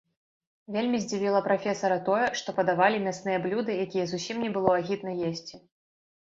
Вельмі здзівіла прафесара тое, што падавалі мясныя блюды, якія зусім не было агідна есці.